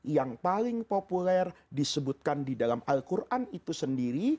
yang paling populer disebutkan di dalam al quran itu sendiri